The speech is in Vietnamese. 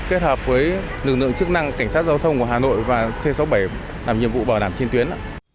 kết hợp với lực lượng chức năng cảnh sát giao thông của hà nội và c sáu mươi bảy làm nhiệm vụ bảo đảm trên tuyến